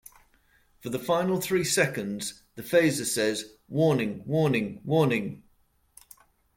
For the final three seconds, the phaser says Warning, Warning, Warning.